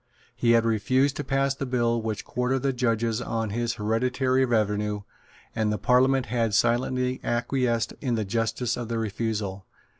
He had refused to pass the bill which quartered the judges on his hereditary revenue; and the Parliament had silently acquiesced in the justice of the refusal.